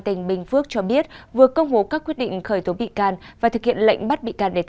tỉnh bình phước cho biết vừa công bố các quyết định khởi tố bị can và thực hiện lệnh bắt bị can để